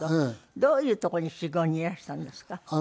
どういうとこに修業にいらしたんですか？